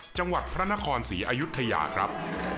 จังหวัดพระนครศรีอายุทยาครับ